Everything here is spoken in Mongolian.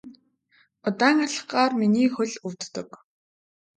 Удаан алхахлаар миний хөл өвддөг.